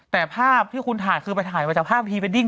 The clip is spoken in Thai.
แต่ภาพที่คุณถ่ายคือไปถ่ายมาจากภาพพรีเวดดิ้ง